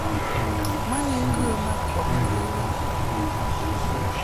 Ma ni ŋgə ma kɔb ŋgɨ bə.